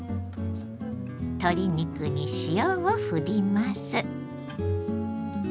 鶏肉に塩をふります。